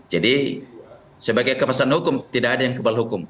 jadi sebagai kepesan hukum tidak ada yang kebal hukum